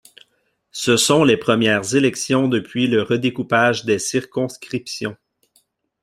Ce sont les premières élections depuis le redécoupage des circonscriptions.